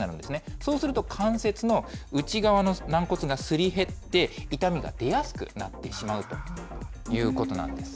そうすると、関節の内側の軟骨がすり減って、痛みが出やすくなってしまうということなんです。